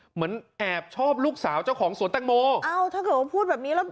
เหมือนแอบชอบลูกสาวเจ้าของสวนแตงโมอ้าวถ้าเกิดว่าพูดแบบนี้แล้ว